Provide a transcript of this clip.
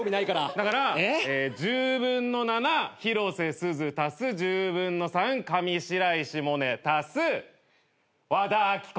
だから１０分の７広瀬すず足す１０分の３上白石萌音足す和田アキ子。